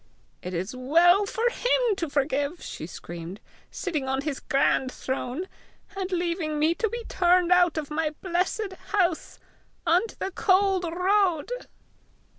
"It's well for HIM to forgive," she screamed, "sitting on his grand throne, and leaving me to be turned out of my blessed house, on to the cold road!"